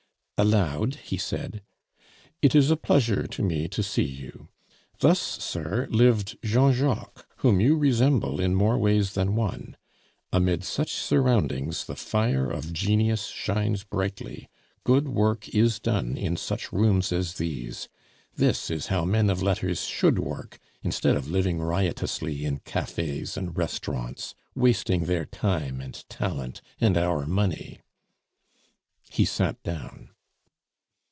Aloud he said: "It is a pleasure to me to see you. Thus, sir, lived Jean Jacques, whom you resemble in more ways than one. Amid such surroundings the fire of genius shines brightly; good work is done in such rooms as these. This is how men of letters should work, instead of living riotously in cafes and restaurants, wasting their time and talent and our money." He sat down.